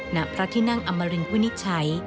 ณพระที่นั่งอำมารินพุทธศัย